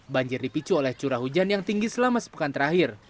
banjir dipicu oleh curah hujan yang tinggi selama sepekan terakhir